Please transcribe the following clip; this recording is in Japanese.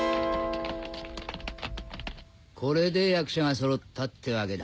これで役者が揃ったってわけだ。